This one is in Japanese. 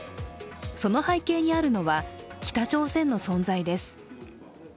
その背景にあるのは、北朝鮮の存在です。